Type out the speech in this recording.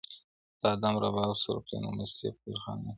نه آدم رباب سور کړی نه مستي په درخانۍ کي-